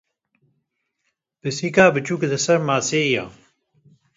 Pisîka biçûk li ser maseyê ye.